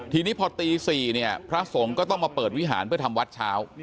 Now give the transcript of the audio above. ทีนี้พอตี๔เนี่ยพระสงฆ์ก็ต้องมาเปิดวิหารเพื่อทำวัดเช้า